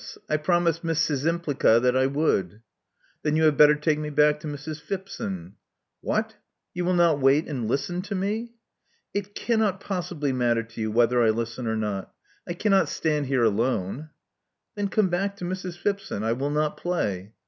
I promised Miss Szcz3rmpl]fa that I wouUL" ••Then you had better take me back to Mrs. Phipson." ••What! You will not wait and listen to me?" ••It cannot possibly matter to you whether I listen or not. I cannot stand here alone." ••Then come back to Mrs. Phipson* I will not play."